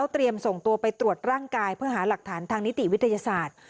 ส่งตัวไปตรวจร่างกายเพื่อหาหลักฐานทางนิติวิทยาศาสตร์